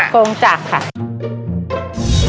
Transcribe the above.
พี่ดาขายดอกบัวมาตั้งแต่อายุ๑๐กว่าขวบ